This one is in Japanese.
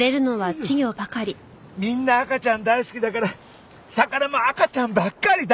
みんな赤ちゃん大好きだから魚も赤ちゃんばっかりだ！